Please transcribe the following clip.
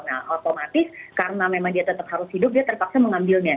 nah otomatis karena memang dia tetap harus hidup dia terpaksa mengambilnya